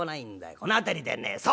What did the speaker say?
この辺りでねそう！